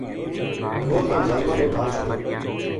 وہ تَم ظالماں نے مار چھُڑیو